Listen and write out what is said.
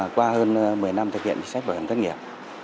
qua hơn một mươi năm thực hiện chính sách bảo hiểm thất nghiệp